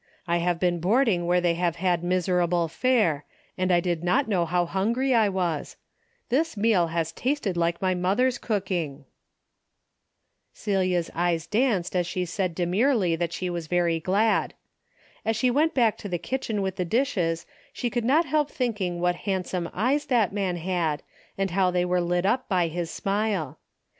I have been boarding where they had miserable fare, and I did not know how hun gry I was. This meal has tasted like my mother's cooking." '' I have had plenty and it has been so good." p. 158 "A DAILY rate: 159 Celia's eyes danced as she said demurely she was very glad. As she went back to the kitchen with the dishes, she could not help thinking what handsome eyes that man had, and how they were lit up by his smile.